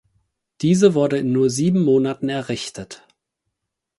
Diese wurde in nur sieben Monaten errichtet.